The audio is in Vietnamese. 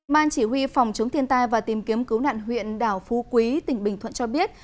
ban chỉ huy phòng chống thiên tai và tìm kiếm cứu nạn huyện đảo phú quý tỉnh bình thuận cho biết